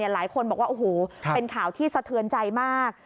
หลายคนบอกว่าโอ้โหเป็นข่าวที่สะเทือนใจมาก